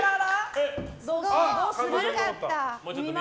どうする？